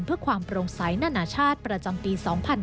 เพื่อความโปร่งใสนานาชาติประจำปี๒๕๕๙